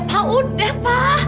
pak udah pak